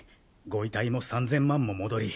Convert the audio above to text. ご遺体も３千万も戻り。